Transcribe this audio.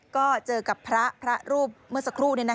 ก็เจอกับพระพระรูปเมื่อสักครู่